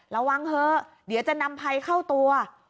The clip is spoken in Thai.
ระวังเถอะเดี๋ยวจะนำภัยเข้าตัว